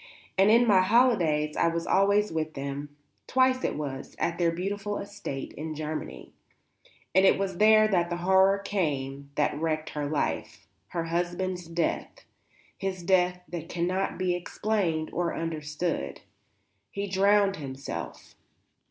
And in my holidays I was always with them, twice it was, at their beautiful estate in Germany. And it was there that the horror came that wrecked her life; her husband's death, his death that cannot be explained or understood. He drowned himself.